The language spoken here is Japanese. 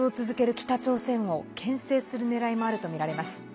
北朝鮮をけん制するねらいもあるとみられます。